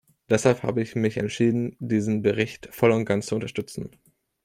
Deshalb habe ich mich entschieden, diesen Bericht voll und ganz zu unterstützen.